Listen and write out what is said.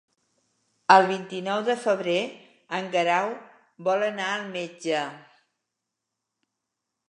El vint-i-nou de febrer en Guerau vol anar al metge.